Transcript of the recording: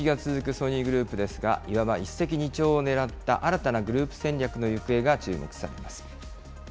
ソニーグループですが、いわば一石二鳥をねらった新たなグループ戦略の行方が注目されます。